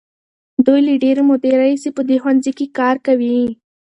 دوی له ډېرې مودې راهیسې په دې ښوونځي کې کار کوي.